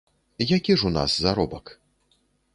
Які ж у нас заробак?